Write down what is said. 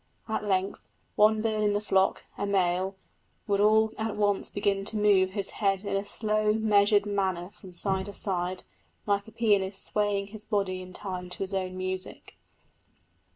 At length one bird in the flock, a male, would all at once begin to move his head in a slow, measured manner from side to side, like a pianist swaying his body in time to his own music.